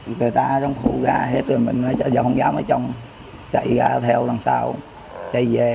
người ta trong khu gà hết tụi mình không dám ở trong chạy gà theo lần sau chạy về